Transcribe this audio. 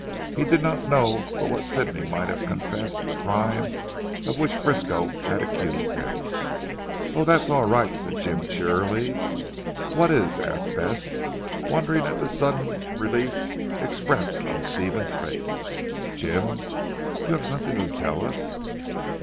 He did not know but what Sidney might have confessed the crime of which Frisco accused him. "Oh! that's all right," said Jim cheerily. "What is?" asked Bess, wondering at the sudden relief expressed on Stephen's face. "Jim, you have something to tell us."